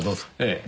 ええ。